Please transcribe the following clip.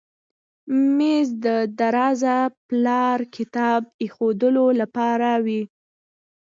مېز د زاړه پلار کتاب ایښودلو لپاره وي.